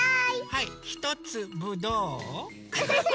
はいひとつぶどう？